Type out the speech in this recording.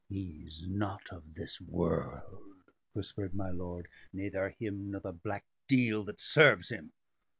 "He's not of this world," whispered my lord, "neither him nor the black deil that serves him.